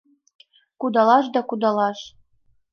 Кудалаш да кудалаш.